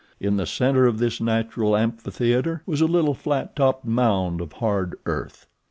In the center of this natural amphitheater, was a little flat topped mound of hard earth.